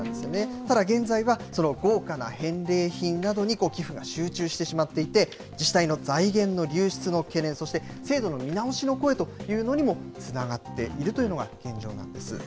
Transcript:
ただ現在は、豪華な返礼品などに寄付が集中してしまっていて、自治体の財源の流出の懸念、そして制度の見直しの声というのにもつながっているというのが現状なんです。